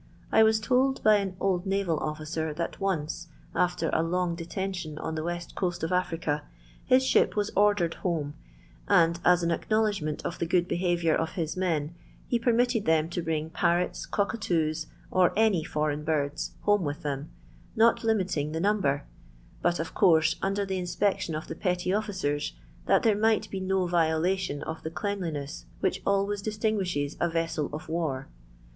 I was told by an old naval officer that once, after a long detention on the west coast of Africa, his ship was ordered home, and, as an acknowledg ment of the good behaviour of his men, be ps^ mitted them to bring parrots, cockatoos, or any foreign birds, home with them, not limiting the number, but of course under the inspection of the petty officers, that there might be no Tiolation of the cleanlineu which always distinguishes a vessel of war.